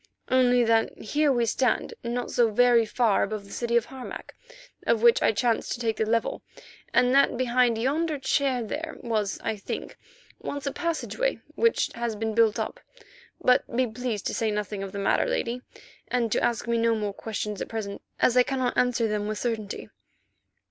"Only that here we stand not so very far above the city Harmac, of which I chanced to take the level, and that behind yonder chair there was, I think, once a passage which has been built up. But be pleased to say nothing of the matter, Lady, and to ask me no more questions at present, as I cannot answer them with certainty."